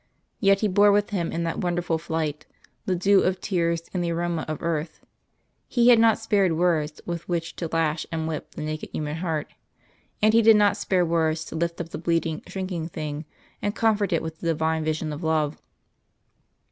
Yet He bore with Him in that wonderful flight the dew of tears and the aroma of earth. He had not spared words with which to lash and whip the naked human heart, and He did not spare words to lift up the bleeding, shrinking thing, and comfort it with the divine vision of love....